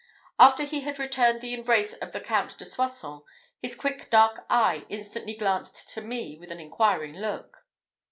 After he had returned the embrace of the Count de Soissons, his quick dark eye instantly glanced to me with an inquiring look.